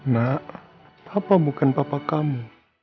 nak papa bukan papa kamu